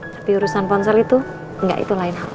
tapi urusan ponsel itu enggak itu lain hal